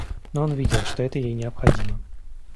Но он видел, что это ей необходимо.